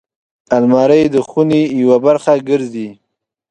الماري د خونې یوه برخه ګرځي